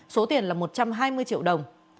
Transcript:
số tiền là một trăm hai mươi triệu đồng